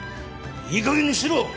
いいかげんにしろ！